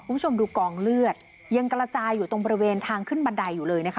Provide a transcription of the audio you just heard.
คุณผู้ชมดูกองเลือดยังกระจายอยู่ตรงบริเวณทางขึ้นบันไดอยู่เลยนะคะ